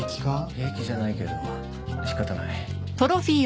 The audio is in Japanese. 平気じゃないけど仕方ない。